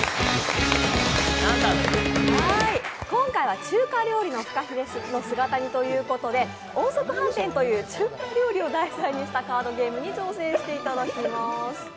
今回は中華料理のふかひれの姿煮ということで「音速飯店」という中華料理を題材にしたカードゲームに挑戦していただきます。